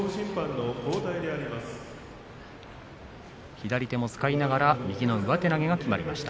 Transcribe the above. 左手も使いながら右の上手投げがきまりました。